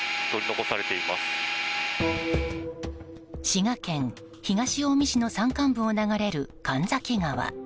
滋賀県東近江市の山間部を流れる神崎川。